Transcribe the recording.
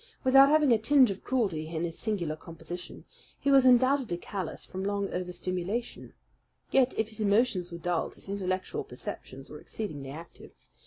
Without having a tinge of cruelty in his singular composition, he was undoubtedly callous from long overstimulation. Yet, if his emotions were dulled, his intellectual perceptions were exceedingly active.